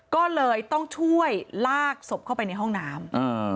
ก็เลยต้องช่วยลากศพเข้าไปในห้องน้ำ